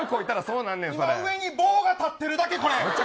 今、上に棒が立ってるだけ。